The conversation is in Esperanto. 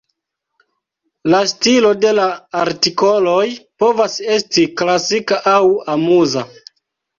La stilo de la artikoloj povas esti "klasika aŭ amuza".